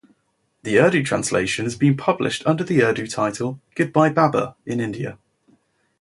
The Urdu translation has been published under the Urdu title "Goodbye Baba" in India.